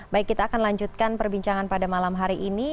baik kita akan lanjutkan perbincangan pada malam hari ini